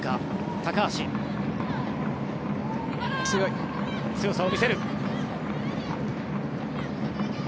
高橋、強さを見せる。